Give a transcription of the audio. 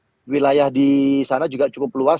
karena mungkin wilayah di sana juga cukup luas